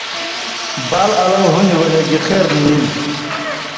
بال الاؤ ہون٘دیۡ ولے گی خېر نِی ایلیۡ۔